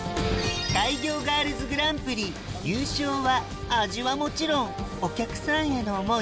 開業ガールズグランプリ優勝は味はもちろんお客さんへの思い